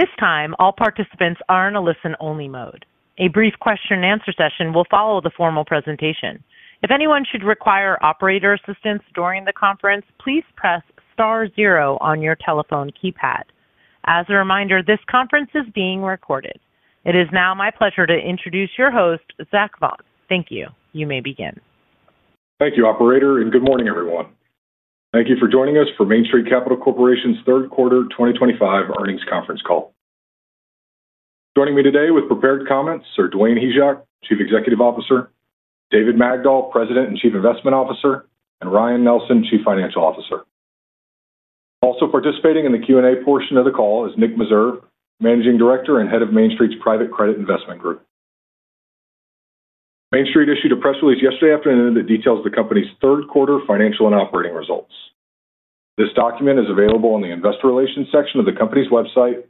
This time, all participants are in a listen-only mode. A brief question-and-answer session will follow the formal presentation. If anyone should require operator assistance during the conference, please press star zero on your telephone keypad. As a reminder, this conference is being recorded. It is now my pleasure to introduce your host, Zach Vaughan. Thank you. You may begin. Thank you, Operator, and good morning, everyone. Thank you for joining us for Main Street Capital Corporation's third quarter 2025 earnings conference call. Joining me today with prepared comments are Dwayne Hyzak, Chief Executive Officer; David Magdol, President and Chief Investment Officer; and Ryan Nelson, Chief Financial Officer. Also participating in the Q&A portion of the call is Nick Meserve, Managing Director and Head of Main Street's Private Credit Investment Group. Main Street issued a press release yesterday afternoon that details the company's third quarter financial and operating results. This document is available in the Investor Relations section of the company's website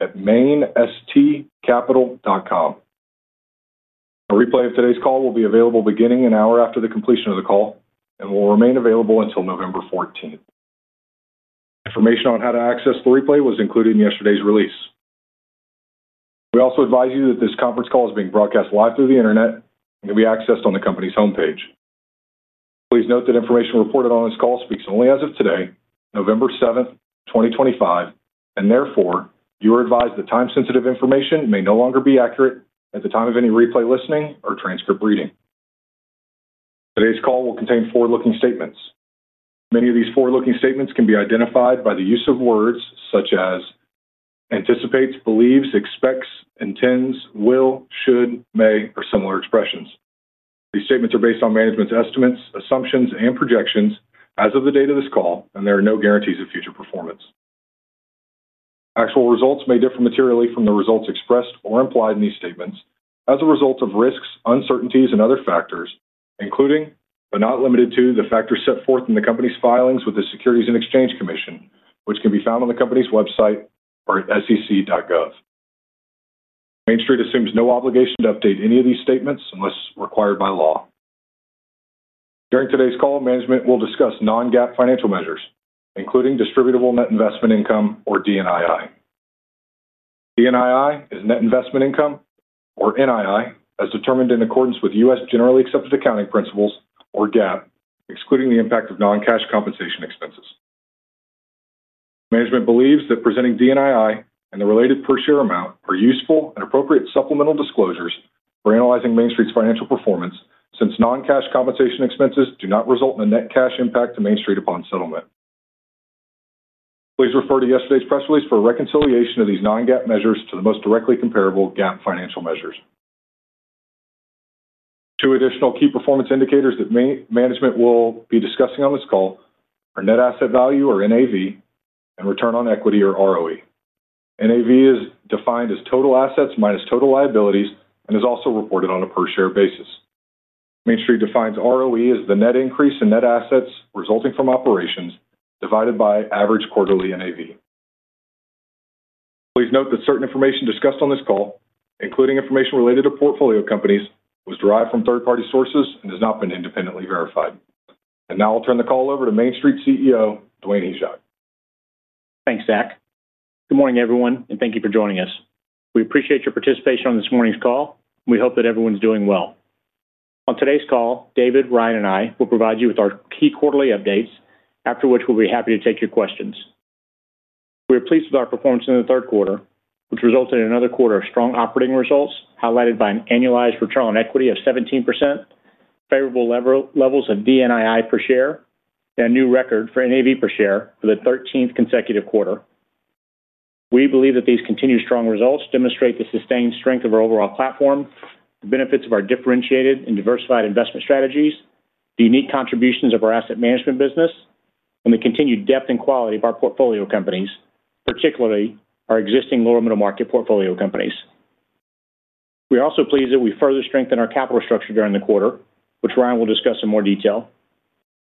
at mainstcapital.com. A replay of today's call will be available beginning an hour after the completion of the call and will remain available until November 14th. Information on how to access the replay was included in yesterday's release. We also advise you that this conference call is being broadcast live through the internet and can be accessed on the company's homepage. Please note that information reported on this call speaks only as of today, November 7th, 2025, and therefore, you are advised that time-sensitive information may no longer be accurate at the time of any replay listening or transcript reading. Today's call will contain forward-looking statements. Many of these forward-looking statements can be identified by the use of words such as anticipates, believes, expects, intends, will, should, may, or similar expressions. These statements are based on management's estimates, assumptions, and projections as of the date of this call, and there are no guarantees of future performance. Actual results may differ materially from the results expressed or implied in these statements as a result of risks, uncertainties, and other factors, including, but not limited to, the factors set forth in the company's filings with the Securities and Exchange Commission, which can be found on the company's website or at sec.gov. Main Street assumes no obligation to update any of these statements unless required by law. During today's call, management will discuss non-GAAP financial measures, including distributable net investment income, or DNII. DNII is net investment income, or NII, as determined in accordance with U.S. Generally Accepted Accounting Principles, or GAAP, excluding the impact of non-cash compensation expenses. Management believes that presenting DNII and the related per-share amount are useful and appropriate supplemental disclosures for analyzing Main Street's financial performance since non-cash compensation expenses do not result in a net cash impact to Main Street upon settlement. Please refer to yesterday's press release for reconciliation of these non-GAAP measures to the most directly comparable GAAP financial measures. Two additional key performance indicators that management will be discussing on this call are net asset value, or NAV, and return on equity, or ROE. NAV is defined as total assets minus total liabilities and is also reported on a per-share basis. Main Street defines ROE as the net increase in net assets resulting from operations divided by average quarterly NAV. Please note that certain information discussed on this call, including information related to portfolio companies, was derived from third-party sources and has not been independently verified. I will now turn the call over to Main Street CEO, Dwayne Hyzak. Thanks, Zach. Good morning, everyone, and thank you for joining us. We appreciate your participation on this morning's call, and we hope that everyone's doing well. On today's call, David, Ryan, and I will provide you with our key quarterly updates, after which we'll be happy to take your questions. We are pleased with our performance in the third quarter, which resulted in another quarter of strong operating results highlighted by an annualized return on equity of 17%, favorable levels of DNII per share, and a new record for NAV per share for the 13th consecutive quarter. We believe that these continued strong results demonstrate the sustained strength of our overall platform, the benefits of our differentiated and diversified investment strategies, the unique contributions of our asset management business, and the continued depth and quality of our portfolio companies, particularly our existing lower-middle market portfolio companies. We are also pleased that we further strengthened our capital structure during the quarter, which Ryan will discuss in more detail.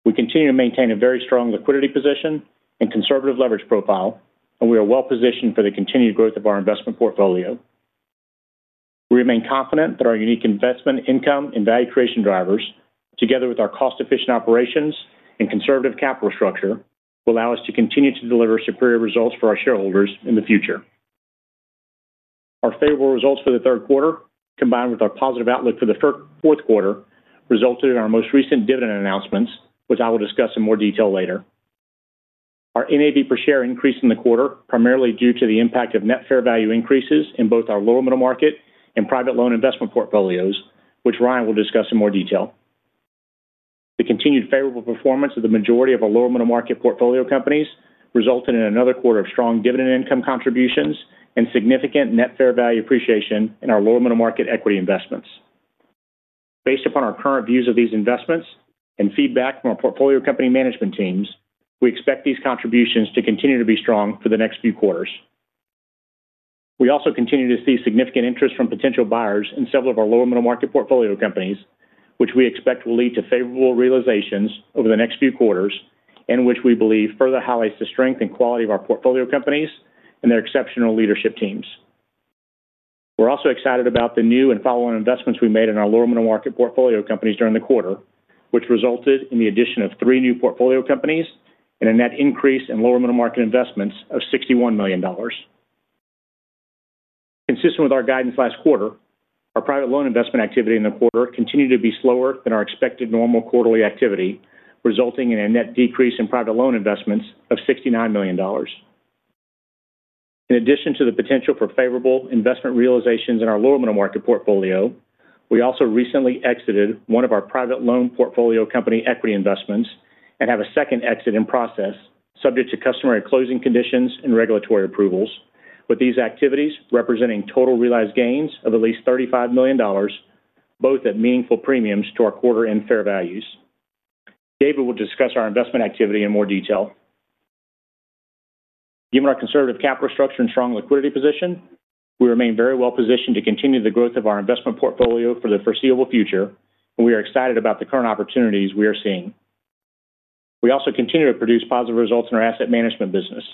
We continue to maintain a very strong liquidity position and conservative leverage profile, and we are well-positioned for the continued growth of our investment portfolio. We remain confident that our unique investment, income, and value creation drivers, together with our cost-efficient operations and conservative capital structure, will allow us to continue to deliver superior results for our shareholders in the future. Our favorable results for the third quarter, combined with our positive outlook for the fourth quarter, resulted in our most recent dividend announcements, which I will discuss in more detail later. Our NAV per share increased in the quarter primarily due to the impact of net fair value increases in both our lower-middle market and private loan investment portfolios, which Ryan will discuss in more detail. The continued favorable performance of the majority of our lower-middle market portfolio companies resulted in another quarter of strong dividend income contributions and significant net fair value appreciation in our lower-middle market equity investments. Based upon our current views of these investments and feedback from our portfolio company management teams, we expect these contributions to continue to be strong for the next few quarters. We also continue to see significant interest from potential buyers in several of our lower-middle market portfolio companies, which we expect will lead to favorable realizations over the next few quarters and which we believe further highlights the strength and quality of our portfolio companies and their exceptional leadership teams. We're also excited about the new and follow-on investments we made in our lower-middle market portfolio companies during the quarter, which resulted in the addition of three new portfolio companies and a net increase in lower-middle market investments of $61 million. Consistent with our guidance last quarter, our private loan investment activity in the quarter continued to be slower than our expected normal quarterly activity, resulting in a net decrease in private loan investments of $69 million. In addition to the potential for favorable investment realizations in our lower-middle market portfolio, we also recently exited one of our private loan portfolio company equity investments and have a second exit in process, subject to customary closing conditions and regulatory approvals, with these activities representing total realized gains of at least $35 million, both at meaningful premiums to our quarter-end fair values. David will discuss our investment activity in more detail. Given our conservative capital structure and strong liquidity position, we remain very well-positioned to continue the growth of our investment portfolio for the foreseeable future, and we are excited about the current opportunities we are seeing. We also continue to produce positive results in our asset management business.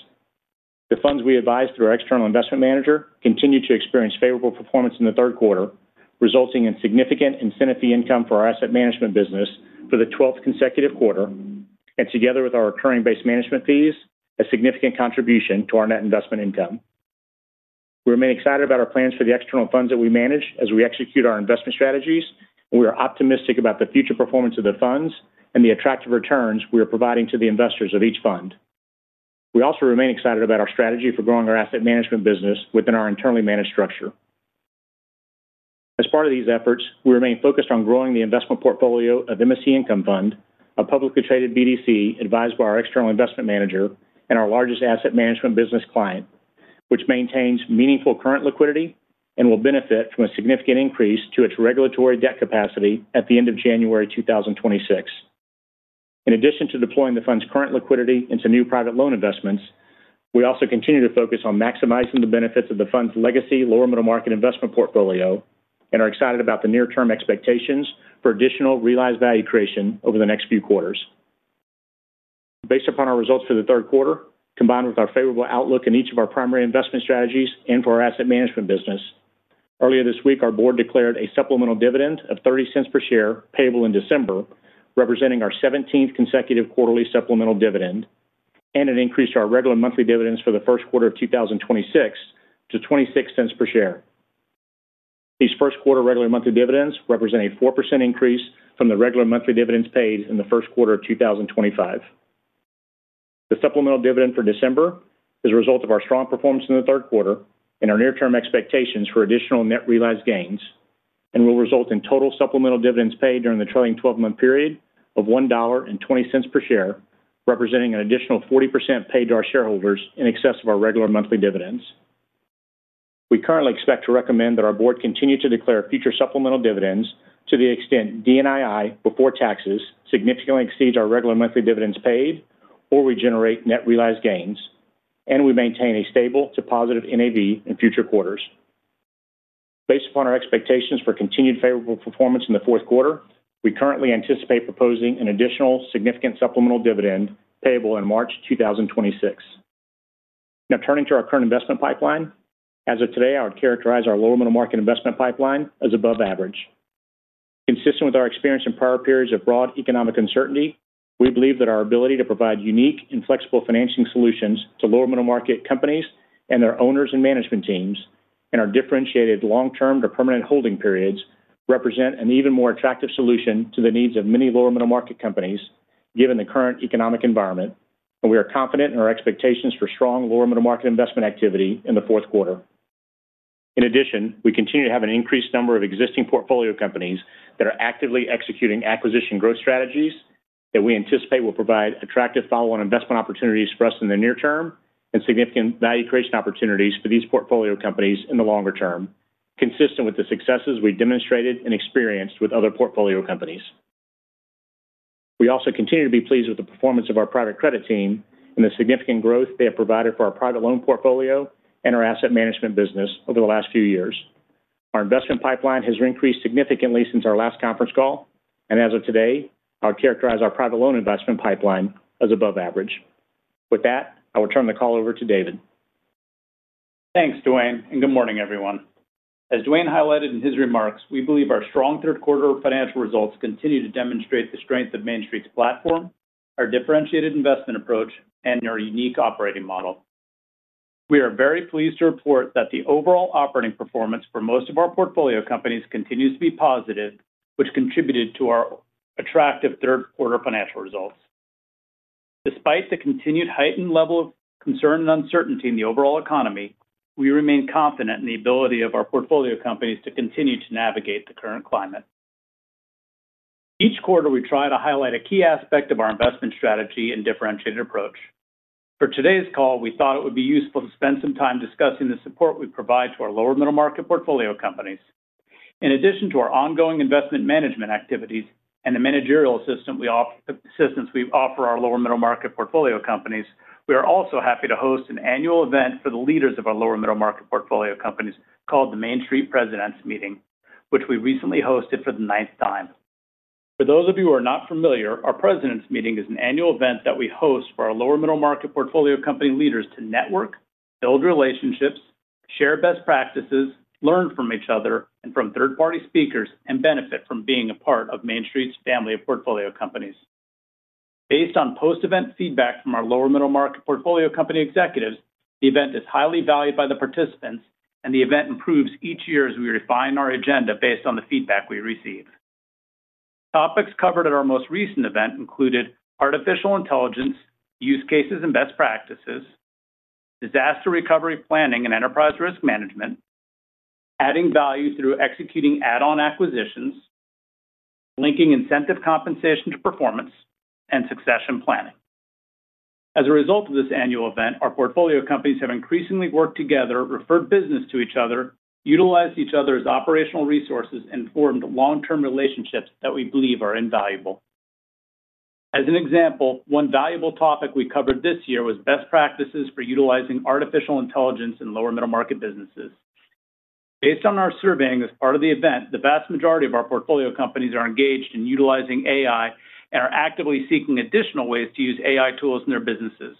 The funds we advised through our external investment manager continue to experience favorable performance in the third quarter, resulting in significant incentive fee income for our asset management business for the 12th consecutive quarter, and together with our recurring base management fees, a significant contribution to our net investment income. We remain excited about our plans for the external funds that we manage as we execute our investment strategies, and we are optimistic about the future performance of the funds and the attractive returns we are providing to the investors of each fund. We also remain excited about our strategy for growing our asset management business within our internally managed structure. As part of these efforts, we remain focused on growing the investment portfolio of MSC Income Fund, a publicly traded BDC advised by our external investment manager and our largest asset management business client, which maintains meaningful current liquidity and will benefit from a significant increase to its regulatory debt capacity at the end of January 2026. In addition to deploying the fund's current liquidity into new private loan investments, we also continue to focus on maximizing the benefits of the fund's legacy lower-middle market investment portfolio and are excited about the near-term expectations for additional realized value creation over the next few quarters. Based upon our results for the third quarter, combined with our favorable outlook in each of our primary investment strategies and for our asset management business, earlier this week, our board declared a supplemental dividend of $0.30 per share payable in December, representing our 17th consecutive quarterly supplemental dividend, and it increased our regular monthly dividends for the first quarter of 2026 to $0.26 per share. These first quarter regular monthly dividends represent a 4% increase from the regular monthly dividends paid in the first quarter of 2025. The supplemental dividend for December is a result of our strong performance in the third quarter and our near-term expectations for additional net realized gains and will result in total supplemental dividends paid during the trailing 12-month period of $1.20 per share, representing an additional 40% paid to our shareholders in excess of our regular monthly dividends. We currently expect to recommend that our board continue to declare future supplemental dividends to the extent DNII before taxes significantly exceeds our regular monthly dividends paid or we generate net realized gains, and we maintain a stable to positive NAV in future quarters. Based upon our expectations for continued favorable performance in the fourth quarter, we currently anticipate proposing an additional significant supplemental dividend payable in March 2026. Now, turning to our current investment pipeline, as of today, I would characterize our lower-middle market investment pipeline as above average. Consistent with our experience in prior periods of broad economic uncertainty, we believe that our ability to provide unique and flexible financing solutions to lower-middle market companies and their owners and management teams and our differentiated long-term to permanent holding periods represent an even more attractive solution to the needs of many lower-middle market companies given the current economic environment, and we are confident in our expectations for strong lower-middle market investment activity in the fourth quarter. In addition, we continue to have an increased number of existing portfolio companies that are actively executing acquisition growth strategies that we anticipate will provide attractive follow-on investment opportunities for us in the near term and significant value creation opportunities for these portfolio companies in the longer term, consistent with the successes we've demonstrated and experienced with other portfolio companies. We also continue to be pleased with the performance of our private credit team and the significant growth they have provided for our private loan portfolio and our asset management business over the last few years. Our investment pipeline has increased significantly since our last conference call, and as of today, I would characterize our private loan investment pipeline as above average. With that, I will turn the call over to David. Thanks, Dwayne, and good morning, everyone. As Dwayne highlighted in his remarks, we believe our strong third-quarter financial results continue to demonstrate the strength of Main Street's platform, our differentiated investment approach, and our unique operating model. We are very pleased to report that the overall operating performance for most of our portfolio companies continues to be positive, which contributed to our attractive third-quarter financial results. Despite the continued heightened level of concern and uncertainty in the overall economy, we remain confident in the ability of our portfolio companies to continue to navigate the current climate. Each quarter, we try to highlight a key aspect of our investment strategy and differentiated approach. For today's call, we thought it would be useful to spend some time discussing the support we provide to our lower-middle market portfolio companies. In addition to our ongoing investment management activities and the managerial assistance we offer our lower-middle market portfolio companies, we are also happy to host an annual event for the leaders of our lower-middle market portfolio companies called the Main Street Presidents Meeting, which we recently hosted for the ninth time. For those of you who are not familiar, our Presidents Meeting is an annual event that we host for our lower-middle market portfolio company leaders to network, build relationships, share best practices, learn from each other, and from third-party speakers, and benefit from being a part of Main Street's family of portfolio companies. Based on post-event feedback from our lower-middle market portfolio company executives, the event is highly valued by the participants, and the event improves each year as we refine our agenda based on the feedback we receive. Topics covered at our most recent event included artificial intelligence use cases and best practices, disaster recovery planning and enterprise risk management, adding value through executing add-on acquisitions, linking incentive compensation to performance, and succession planning. As a result of this annual event, our portfolio companies have increasingly worked together, referred business to each other, utilized each other's operational resources, and formed long-term relationships that we believe are invaluable. As an example, one valuable topic we covered this year was best practices for utilizing artificial intelligence in lower-middle market businesses. Based on our surveying as part of the event, the vast majority of our portfolio companies are engaged in utilizing AI and are actively seeking additional ways to use AI tools in their businesses.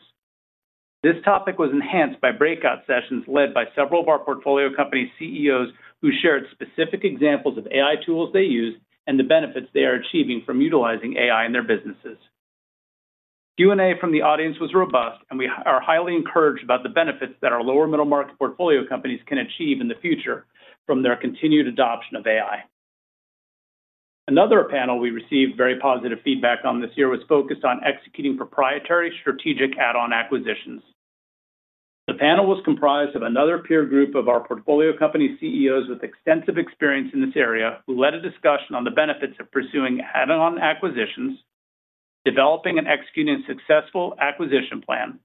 This topic was enhanced by breakout sessions led by several of our portfolio company CEOs who shared specific examples of AI tools they use and the benefits they are achieving from utilizing AI in their businesses. Q&A from the audience was robust, and we are highly encouraged about the benefits that our lower-middle market portfolio companies can achieve in the future from their continued adoption of AI. Another panel we received very positive feedback on this year was focused on executing proprietary strategic add-on acquisitions. The panel was comprised of another peer group of our portfolio company CEOs with extensive experience in this area who led a discussion on the benefits of pursuing add-on acquisitions, developing and executing a successful acquisition plan,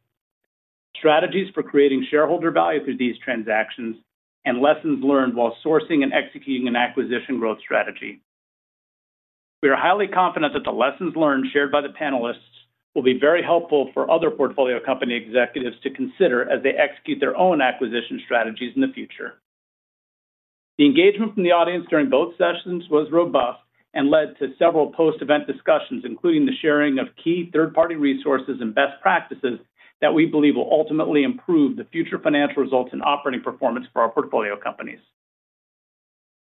strategies for creating shareholder value through these transactions, and lessons learned while sourcing and executing an acquisition growth strategy. We are highly confident that the lessons learned shared by the panelists will be very helpful for other portfolio company executives to consider as they execute their own acquisition strategies in the future. The engagement from the audience during both sessions was robust and led to several post-event discussions, including the sharing of key third-party resources and best practices that we believe will ultimately improve the future financial results and operating performance for our portfolio companies.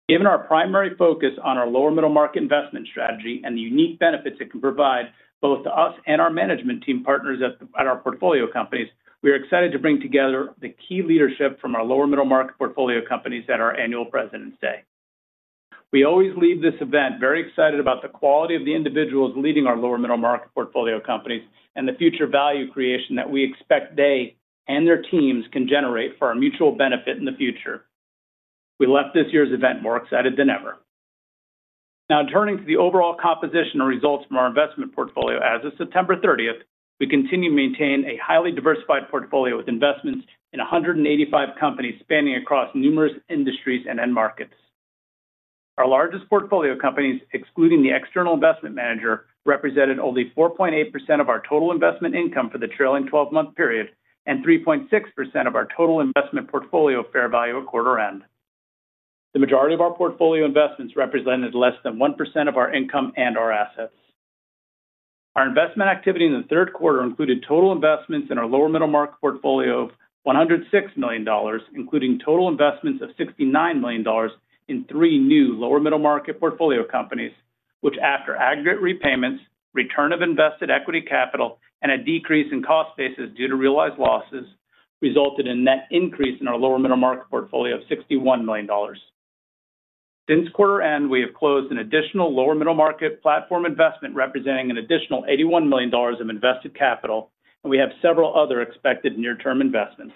Given our primary focus on our lower-middle market investment strategy and the unique benefits it can provide both to us and our management team partners at our portfolio companies, we are excited to bring together the key leadership from our lower-middle market portfolio companies at our annual Presidents Day. We always leave this event very excited about the quality of the individuals leading our lower-middle market portfolio companies and the future value creation that we expect they and their teams can generate for our mutual benefit in the future. We left this year's event more excited than ever. Now, turning to the overall composition and results from our investment portfolio, as of September 30, we continue to maintain a highly diversified portfolio with investments in 185 companies spanning across numerous industries and end markets. Our largest portfolio companies, excluding the external investment manager, represented only 4.8% of our total investment income for the trailing 12-month period and 3.6% of our total investment portfolio fair value at quarter-end. The majority of our portfolio investments represented less than 1% of our income and our assets. Our investment activity in the third quarter included total investments in our lower-middle market portfolio of $106 million, including total investments of $69 million in three new lower-middle market portfolio companies, which, after aggregate repayments, return of invested equity capital, and a decrease in cost basis due to realized losses, resulted in a net increase in our lower-middle market portfolio of $61 million. Since quarter-end, we have closed an additional lower-middle market platform investment representing an additional $81 million of invested capital, and we have several other expected near-term investments.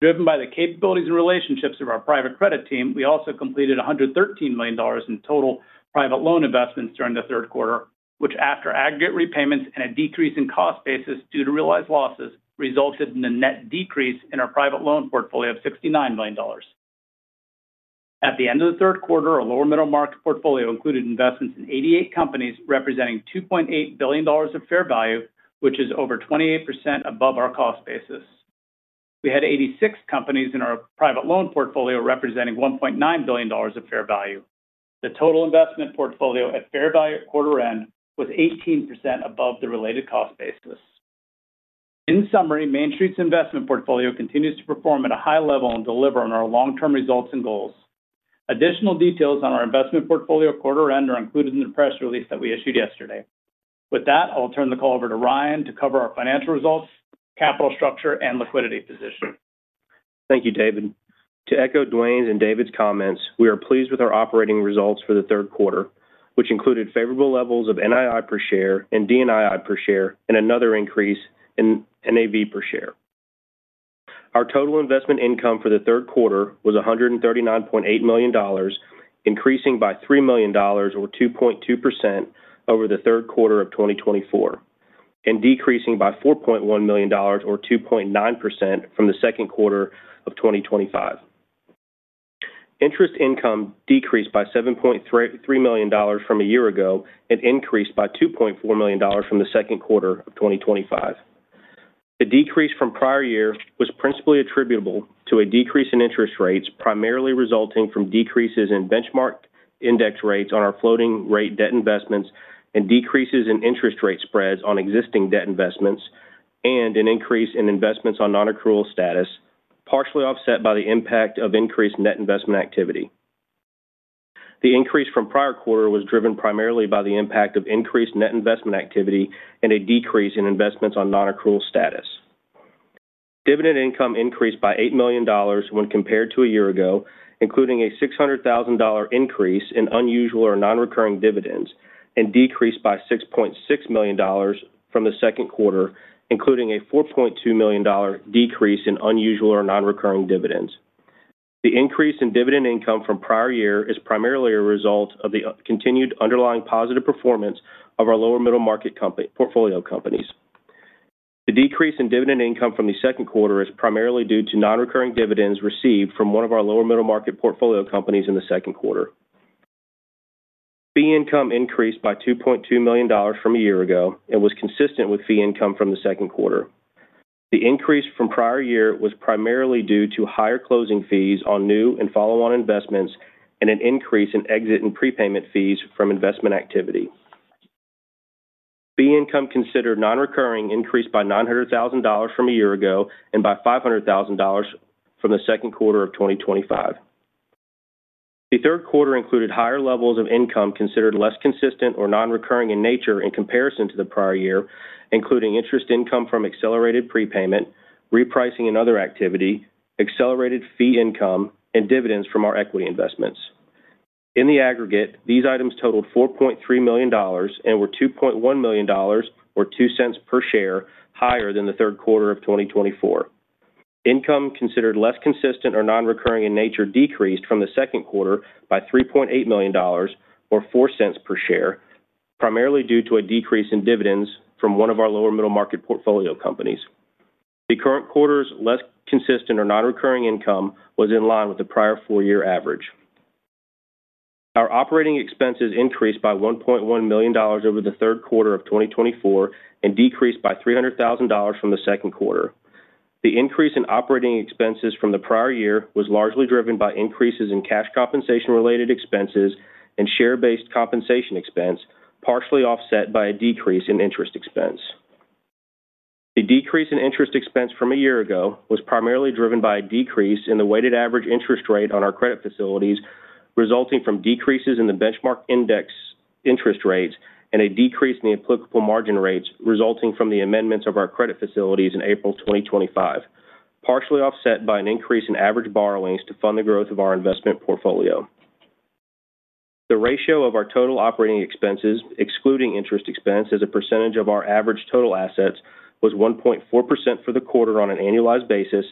Driven by the capabilities and relationships of our private credit team, we also completed $113 million in total private loan investments during the third quarter, which, after aggregate repayments and a decrease in cost basis due to realized losses, resulted in a net decrease in our private loan portfolio of $69 million. At the end of the third quarter, our lower-middle market portfolio included investments in 88 companies representing $2.8 billion of fair value, which is over 28% above our cost basis. We had 86 companies in our private loan portfolio representing $1.9 billion of fair value. The total investment portfolio at fair value at quarter-end was 18% above the related cost basis. In summary, Main Street's investment portfolio continues to perform at a high level and deliver on our long-term results and goals. Additional details on our investment portfolio at quarter-end are included in the press release that we issued yesterday. With that, I will turn the call over to Ryan to cover our financial results, capital structure, and liquidity position. Thank you, David. To echo Dwayne's and David's comments, we are pleased with our operating results for the third quarter, which included favorable levels of NII per share and DNII per share and another increase in NAV per share. Our total investment income for the third quarter was $139.8 million, increasing by $3 million, or 2.2%, over the third quarter of 2024, and decreasing by $4.1 million, or 2.9%, from the second quarter of 2025. Interest income decreased by $7.3 million from a year ago and increased by $2.4 million from the second quarter of 2025. The decrease from prior year was principally attributable to a decrease in interest rates primarily resulting from decreases in benchmark index rates on our floating-rate debt investments and decreases in interest rate spreads on existing debt investments and an increase in investments on non-accrual status, partially offset by the impact of increased net investment activity. The increase from prior quarter was driven primarily by the impact of increased net investment activity and a decrease in investments on non-accrual status. Dividend income increased by $8 million when compared to a year ago, including a $600,000 increase in unusual or non-recurring dividends, and decreased by $6.6 million from the second quarter, including a $4.2 million decrease in unusual or non-recurring dividends. The increase in dividend income from prior year is primarily a result of the continued underlying positive performance of our lower-middle market portfolio companies. The decrease in dividend income from the second quarter is primarily due to non-recurring dividends received from one of our lower-middle market portfolio companies in the second quarter. Fee income increased by $2.2 million from a year ago and was consistent with fee income from the second quarter. The increase from prior year was primarily due to higher closing fees on new and follow-on investments and an increase in exit and prepayment fees from investment activity. Fee income considered non-recurring increased by $900,000 from a year ago and by $500,000 from the second quarter of 2025. The third quarter included higher levels of income considered less consistent or non-recurring in nature in comparison to the prior year, including interest income from accelerated prepayment, repricing and other activity, accelerated fee income, and dividends from our equity investments. In the aggregate, these items totaled $4.3 million and were $2.1 million, or $0.02 per share, higher than the third quarter of 2024. Income considered less consistent or non-recurring in nature decreased from the second quarter by $3.8 million, or $0.04 per share, primarily due to a decrease in dividends from one of our lower-middle market portfolio companies. The current quarter's less consistent or non-recurring income was in line with the prior four-year average. Our operating expenses increased by $1.1 million over the third quarter of 2024 and decreased by $300,000 from the second quarter. The increase in operating expenses from the prior year was largely driven by increases in cash compensation-related expenses and share-based compensation expense, partially offset by a decrease in interest expense. The decrease in interest expense from a year ago was primarily driven by a decrease in the weighted average interest rate on our credit facilities, resulting from decreases in the benchmark index interest rates and a decrease in the applicable margin rates resulting from the amendments of our credit facilities in April 2023, partially offset by an increase in average borrowings to fund the growth of our investment portfolio. The ratio of our total operating expenses, excluding interest expense, as a percentage of our average total assets was 1.4% for the quarter on an annualized basis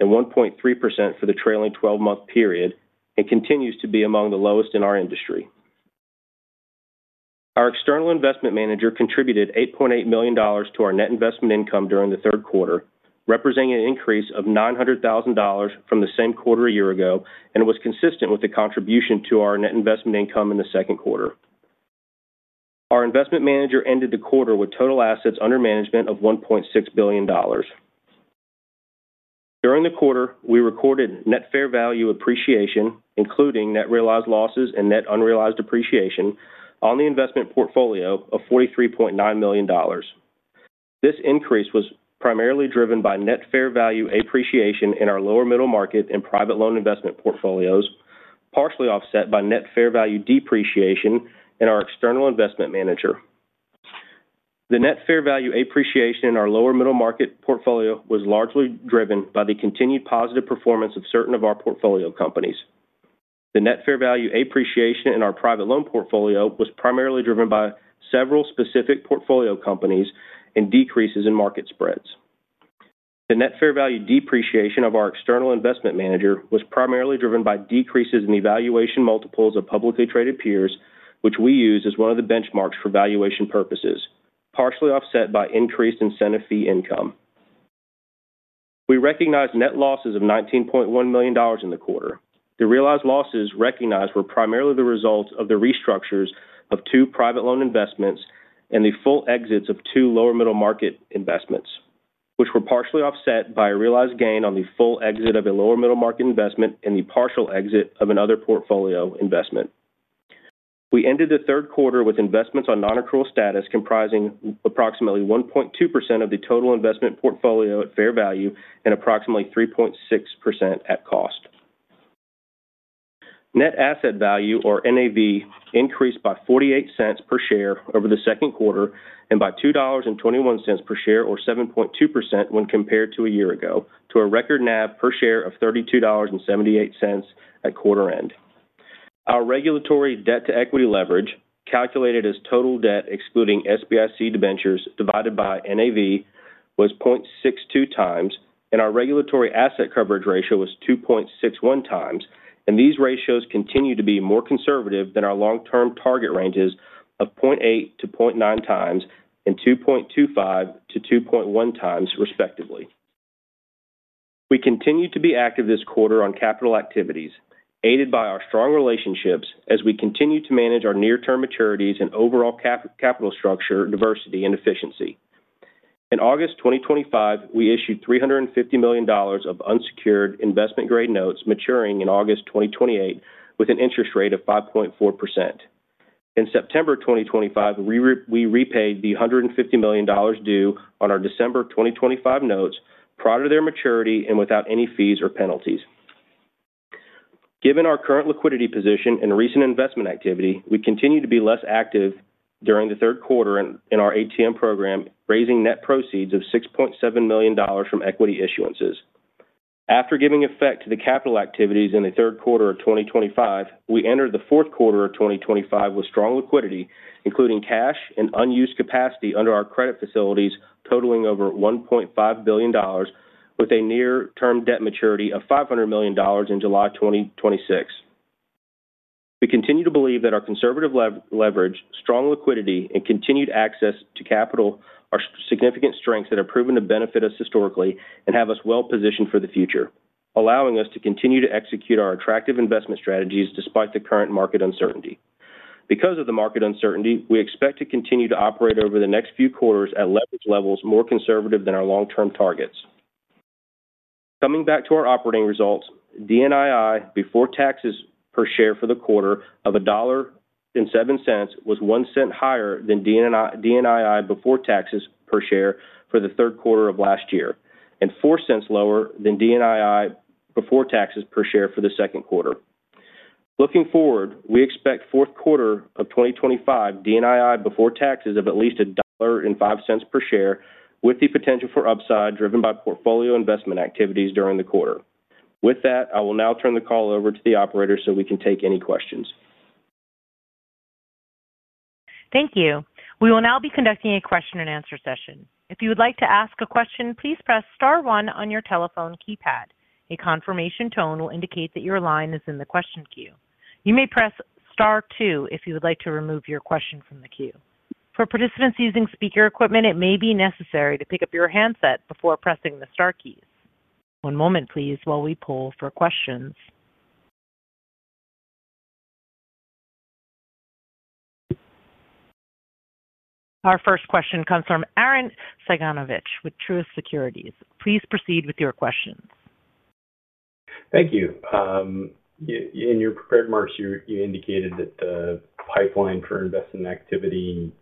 and 1.3% for the trailing 12-month period and continues to be among the lowest in our industry. Our external investment manager contributed $8.8 million to our net investment income during the third quarter, representing an increase of $900,000 from the same quarter a year ago and was consistent with the contribution to our net investment income in the second quarter. Our investment manager ended the quarter with total assets under management of $1.6 billion. During the quarter, we recorded net fair value appreciation, including net realized losses and net unrealized appreciation, on the investment portfolio of $43.9 million. This increase was primarily driven by net fair value appreciation in our lower-middle market and private loan investment portfolios, partially offset by net fair value depreciation in our external investment manager. The net fair value appreciation in our lower-middle market portfolio was largely driven by the continued positive performance of certain of our portfolio companies. The net fair value appreciation in our private loan portfolio was primarily driven by several specific portfolio companies and decreases in market spreads. The net fair value depreciation of our external investment manager was primarily driven by decreases in the valuation multiples of publicly traded peers, which we use as one of the benchmarks for valuation purposes, partially offset by increased incentive fee income. We recognized net losses of $19.1 million in the quarter. The realized losses recognized were primarily the result of the restructures of two private loan investments and the full exits of two lower-middle market investments, which were partially offset by a realized gain on the full exit of a lower-middle market investment and the partial exit of another portfolio investment. We ended the third quarter with investments on non-accrual status comprising approximately 1.2% of the total investment portfolio at fair value and approximately 3.6% at cost. Net asset value, or NAV, increased by $0.48 per share over the second quarter and by $2.21 per share, or 7.2%, when compared to a year ago, to a record NAV per share of $32.78 at quarter-end. Our regulatory debt-to-equity leverage, calculated as total debt excluding SBIC debentures divided by NAV, was 0.62x, and our regulatory asset coverage ratio was 2.61x, and these ratios continue to be more conservative than our long-term target ranges of 0.8x-0.9x and 2.25x-2.1x, respectively. We continue to be active this quarter on capital activities, aided by our strong relationships as we continue to manage our near-term maturities and overall capital structure diversity and efficiency. In August 2025, we issued $350 million of unsecured investment-grade notes maturing in August 2028 with an interest rate of 5.4%. In September 2025, we repaid the $150 million due on our December 2025 notes prior to their maturity and without any fees or penalties. Given our current liquidity position and recent investment activity, we continue to be less active during the third quarter in our ATM program, raising net proceeds of $6.7 million from equity issuances. After giving effect to the capital activities in the third quarter of 2025, we entered the fourth quarter of 2025 with strong liquidity, including cash and unused capacity under our credit facilities, totaling over $1.5 billion, with a near-term debt maturity of $500 million in July 2026. We continue to believe that our conservative leverage, strong liquidity, and continued access to capital are significant strengths that have proven to benefit us historically and have us well-positioned for the future, allowing us to continue to execute our attractive investment strategies despite the current market uncertainty. Because of the market uncertainty, we expect to continue to operate over the next few quarters at leverage levels more conservative than our long-term targets. Coming back to our operating results, DNII before taxes per share for the quarter of $1.07 was one cent higher than DNII before taxes per share for the third quarter of last year and four cents lower than DNII before taxes per share for the second quarter. Looking forward, we expect fourth quarter of 2025, DNII before taxes of at least $1.05 per share, with the potential for upside driven by portfolio investment activities during the quarter. With that, I will now turn the call over to the operators so we can take any questions. Thank you. We will now be conducting a question-and-answer session. If you would like to ask a question, please press Star 1 on your telephone keypad. A confirmation tone will indicate that your line is in the question queue. You may press Star 2 if you would like to remove your question from the queue. For participants using speaker equipment, it may be necessary to pick up your handset before pressing the Star keys. One moment, please, while we pull for questions. Our first question comes from Arren Cyganovich with Truist Securities. Please proceed with your questions. Thank you. In your prepared marks, you indicated that the pipeline for investment activity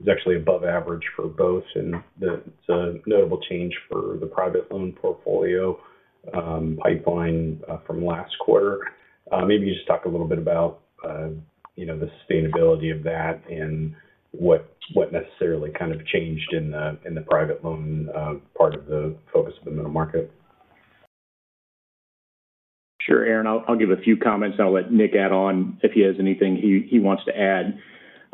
is actually above average for both, and it's a notable change for the private loan portfolio pipeline from last quarter. Maybe you just talk a little bit about the sustainability of that and what necessarily kind of changed in the private loan part of the focus of the middle market. Sure, Arren. I'll give a few comments, and I'll let Nick add on if he has anything he wants to add.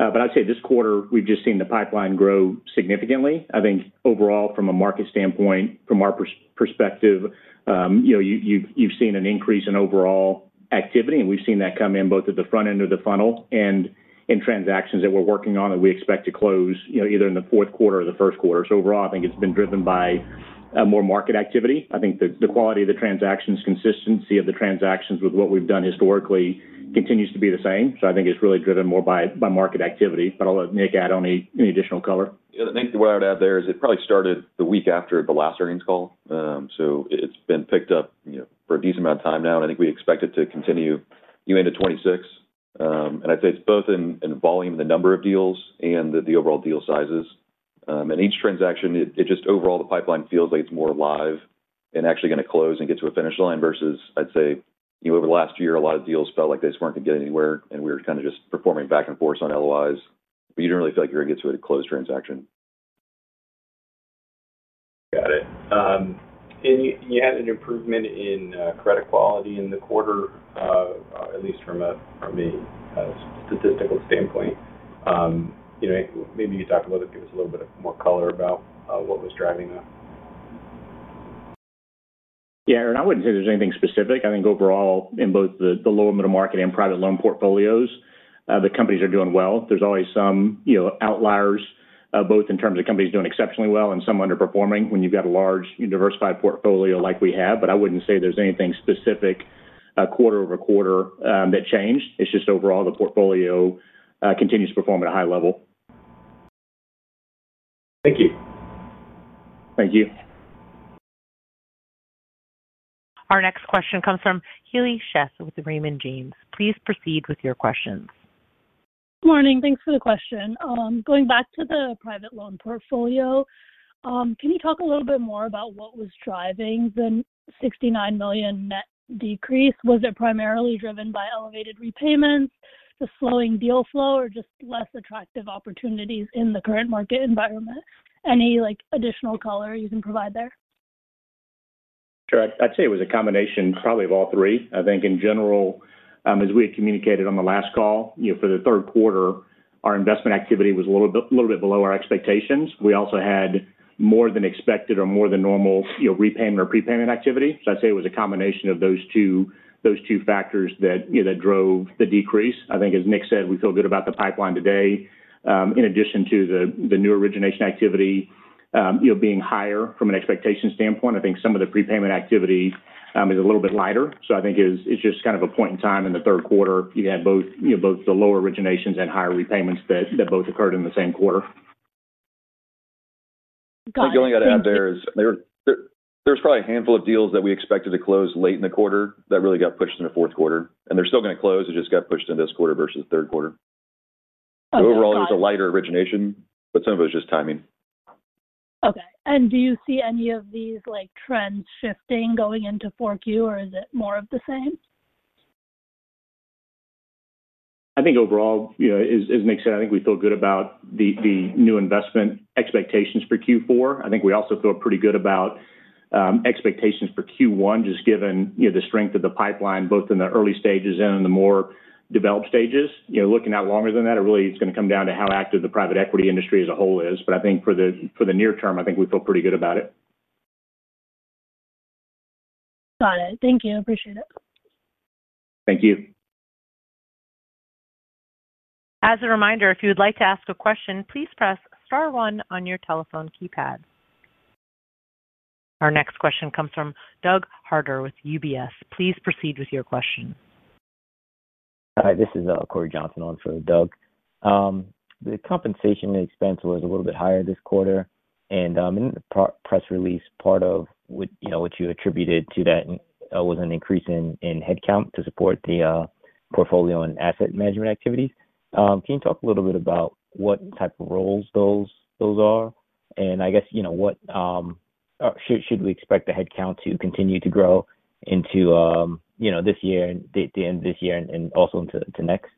I'd say this quarter, we've just seen the pipeline grow significantly. I think overall, from a market standpoint, from our perspective, you've seen an increase in overall activity, and we've seen that come in both at the front end of the funnel and in transactions that we're working on that we expect to close either in the fourth quarter or the first quarter. Overall, I think it's been driven by more market activity. I think the quality of the transactions, consistency of the transactions with what we've done historically continues to be the same. I think it's really driven more by market activity. I'll let Nick add on any additional color. Yeah. I think what I would add there is it probably started the week after the last earnings call, so it's been picked up for a decent amount of time now, and I think we expect it to continue into 2026. I'd say it's both in volume, the number of deals, and the overall deal sizes. In each transaction, it just overall, the pipeline feels like it's more alive and actually going to close and get to a finish line versus, I'd say, over the last year, a lot of deals felt like they just weren't going to get anywhere, and we were kind of just performing back and forth on LOIs. You don't really feel like you're going to get to a closed transaction. Got it. You had an improvement in credit quality in the quarter, at least from a statistical standpoint. Maybe you could talk about if there was a little bit more color about what was driving that. Yeah. I would not say there is anything specific. I think overall, in both the lower-middle market and private loan portfolios, the companies are doing well. There are always some outliers, both in terms of companies doing exceptionally well and some underperforming when you have a large diversified portfolio like we have. I would not say there is anything specific quarter over quarter that changed. It is just overall, the portfolio continues to perform at a high level. Thank you. Thank you. Our next question comes from Haley Sheff with Raymond James. Please proceed with your questions. Good morning. Thanks for the question. Going back to the private loan portfolio, can you talk a little bit more about what was driving the $69 million net decrease? Was it primarily driven by elevated repayments, the slowing deal flow, or just less attractive opportunities in the current market environment? Any additional color you can provide there? Sure. I'd say it was a combination probably of all three. I think in general, as we had communicated on the last call, for the third quarter, our investment activity was a little bit below our expectations. We also had more than expected or more than normal repayment or prepayment activity. I'd say it was a combination of those two factors that drove the decrease. I think, as Nick said, we feel good about the pipeline today. In addition to the new origination activity being higher from an expectation standpoint, I think some of the prepayment activity is a little bit lighter. I think it's just kind of a point in time in the third quarter. You had both the lower originations and higher repayments that both occurred in the same quarter. Got it. The only thing I'd add there is there was probably a handful of deals that we expected to close late in the quarter that really got pushed in the fourth quarter. They're still going to close. It just got pushed in this quarter versus the third quarter. Overall, it was a lighter origination, but some of it was just timing. Okay. Do you see any of these trends shifting going into Q4, or is it more of the same? I think overall, as Nick said, I think we feel good about the new investment expectations for Q4. I think we also feel pretty good about expectations for Q1, just given the strength of the pipeline, both in the early stages and in the more developed stages. Looking out longer than that, it really is going to come down to how active the private equity industry as a whole is. I think for the near term, I think we feel pretty good about it. Got it. Thank you. Appreciate it. Thank you. As a reminder, if you would like to ask a question, please press Star 1 on your telephone keypad. Our next question comes from Doug Harder with UBS. Please proceed with your question. Hi. This is Corey Johnson on for Doug. The compensation expense was a little bit higher this quarter. In the press release, part of what you attributed to that was an increase in headcount to support the portfolio and asset management activities. Can you talk a little bit about what type of roles those are? I guess, should we expect the headcount to continue to grow into this year and the end of this year and also into next?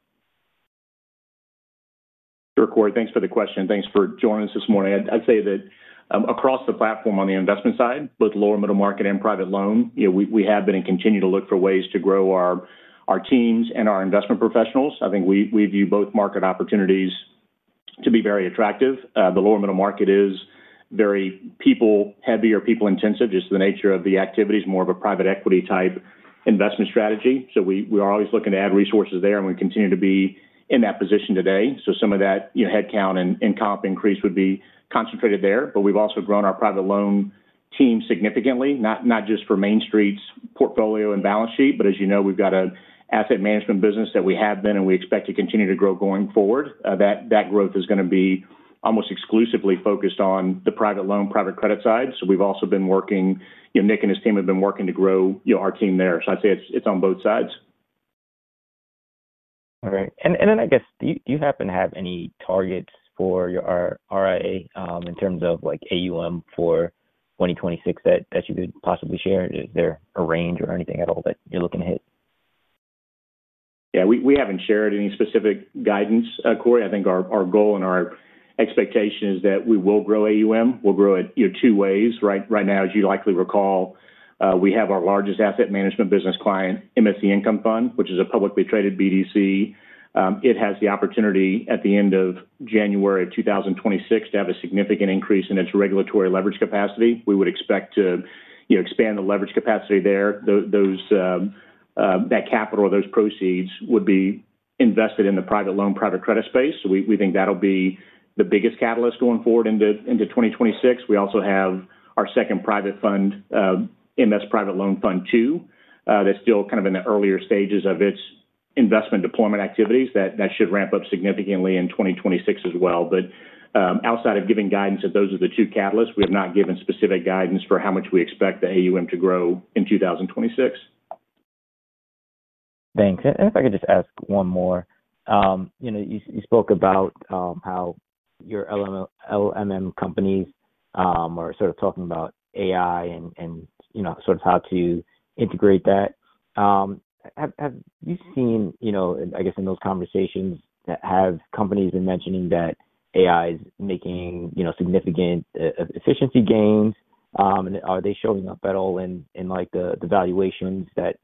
Sure, Corey. Thanks for the question. Thanks for joining us this morning. I'd say that across the platform on the investment side, both lower-middle market and private loan, we have been and continue to look for ways to grow our teams and our investment professionals. I think we view both market opportunities to be very attractive. The lower-middle market is very people-heavy or people-intensive, just the nature of the activities, more of a private equity-type investment strategy. We are always looking to add resources there, and we continue to be in that position today. Some of that headcount and comp increase would be concentrated there. We have also grown our private loan team significantly, not just for Main Street's portfolio and balance sheet, but as you know, we have got an asset management business that we have been and we expect to continue to grow going forward. That growth is going to be almost exclusively focused on the private loan, private credit side. We've also been working—Nick and his team have been working to grow our team there. I'd say it's on both sides. All right. I guess, do you happen to have any targets for your RIA in terms of AUM for 2026 that you could possibly share? Is there a range or anything at all that you're looking to hit? Yeah. We haven't shared any specific guidance, Corey. I think our goal and our expectation is that we will grow AUM. We'll grow it two ways. Right now, as you likely recall, we have our largest asset management business client, MSC Income Fund, which is a publicly traded BDC. It has the opportunity at the end of January of 2026 to have a significant increase in its regulatory leverage capacity. We would expect to expand the leverage capacity there. That capital or those proceeds would be invested in the private loan, private credit space. We think that'll be the biggest catalyst going forward into 2026. We also have our second private fund, MS Private Loan Fund II, that's still kind of in the earlier stages of its investment deployment activities that should ramp up significantly in 2026 as well. Outside of giving guidance, those are the two catalysts. We have not given specific guidance for how much we expect the AUM to grow in 2026. Thanks. If I could just ask one more. You spoke about how your LMM companies are sort of talking about AI and sort of how to integrate that. Have you seen, I guess, in those conversations, have companies been mentioning that AI is making significant efficiency gains? Are they showing up at all in the valuations that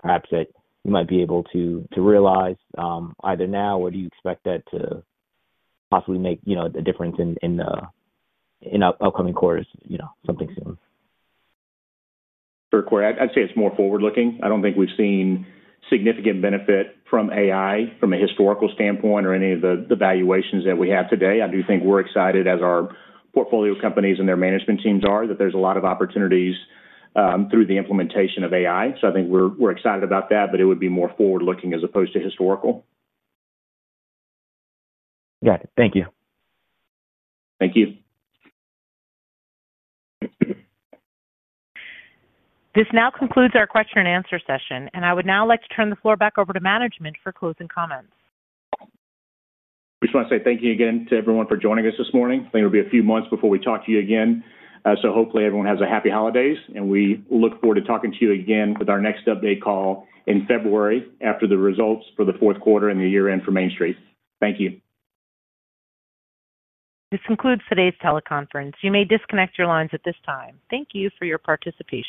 perhaps you might be able to realize either now, or do you expect that to possibly make a difference in upcoming quarters, something soon? Sure, Corey. I'd say it's more forward-looking. I don't think we've seen significant benefit from AI from a historical standpoint or any of the valuations that we have today. I do think we're excited, as our portfolio companies and their management teams are, that there's a lot of opportunities through the implementation of AI. I think we're excited about that, but it would be more forward-looking as opposed to historical. Got it. Thank you. Thank you. This now concludes our question-and-answer session. I would now like to turn the floor back over to management for closing comments. We just want to say thank you again to everyone for joining us this morning. I think it'll be a few months before we talk to you again. Hopefully, everyone has a happy holidays, and we look forward to talking to you again with our next update call in February after the results for the fourth quarter and the year-end for Main Street. Thank you. This concludes today's teleconference. You may disconnect your lines at this time. Thank you for your participation.